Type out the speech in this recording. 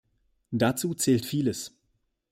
Dazu zählt vieles.